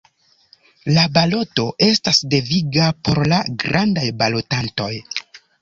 La baloto estas deviga por la grandaj balotantoj.